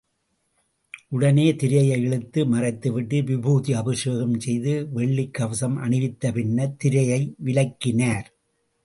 உடனே திரையை இழுத்து மறைத்து விட்டு விபூதி அபிஷேகம் செய்து வெள்ளிக் கவசம் அணிவித்துப் பின்னர் திரையை விலக்கினார்.